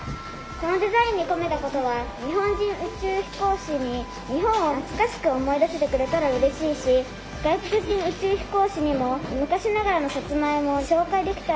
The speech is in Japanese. このデザインに込めたことは日本人宇宙飛行士に日本を懐かしく思い出してくれたらうれしいし外国人宇宙飛行士にも昔ながらのさつまいもを紹介できたらいいなと思ったことです。